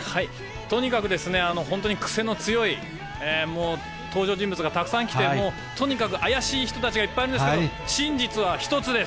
とにかく本当に癖の強い、もう登場人物がたくさん来て、とにかく怪しい人たちがいっぱいいるんですけど、真実は１つです。